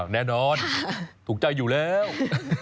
แน่นอนถูกใจอยู่แล้ว